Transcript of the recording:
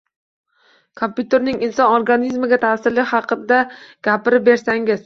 Kompyuterning inson organizmiga ta'siri haqida gapirib bersangiz.